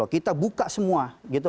kita buka semua